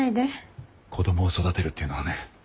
子供を育てるっていうのはね